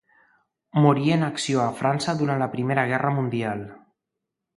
Morí en acció a França durant la Primera Guerra Mundial.